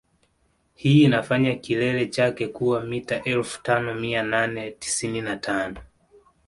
Hii inafanya kilele chake kuwa mita elfu tano mia nane tisini na tano